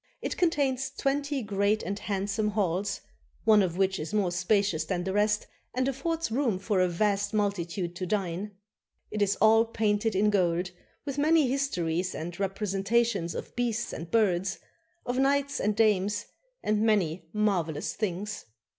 It contains twenty great and handsome halls, one of which is more spacious than the rest and affords room for a vast multitude to dine. It is all painted in gold, with many histories and representations of beasts and birds, of knights and dames, and many marvelous things.